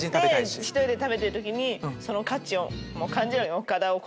１人で食べてる時にその価値を感じろよ！